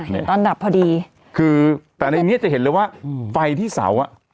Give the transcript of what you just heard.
เห็นตอนดับพอดีคือแต่ในนี้จะเห็นเลยว่าฝ่ายที่เสาอะ